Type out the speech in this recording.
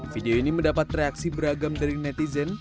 video ini mendapat reaksi beragam dari netizen